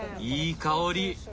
いい香り。